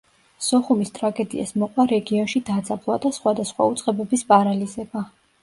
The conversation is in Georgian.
სოხუმის ტრაგედიას მოყვა რეგიონში დაძაბვა და სხვადასხვა უწყებების პარალიზება.